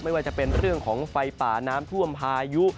ว่าจะเป็นเรื่องของไฟป่าน้ำท่วมพายุ